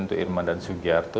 untuk irma dan sugiyarto